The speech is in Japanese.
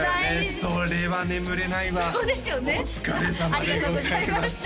それは眠れないわお疲れさまでございました